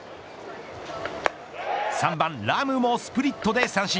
３番ラムもスプリットで三振。